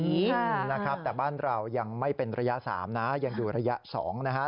อืมนะครับแต่บ้านเรายังไม่เป็นระยะ๓นะยังอยู่ระยะ๒นะฮะ